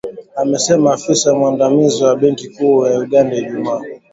amesema afisa mwandamizi wa benki kuu ya Uganda, Ijumaa